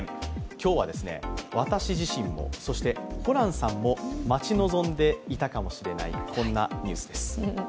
今日は私自身も、そしてホランさんも待ち望んでいたかもしれないこんなニュースです。